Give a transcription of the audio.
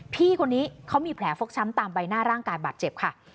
พี่คนนี้เขามีแผลฟกช้ำตามใบหน้าร่างกายบาดเจ็บค่ะ